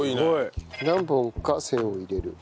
何本か線を入れる。